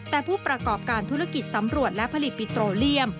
แต่ผู้ประกอบการธุรกิจสำรวจและผลิตปิโตเลียม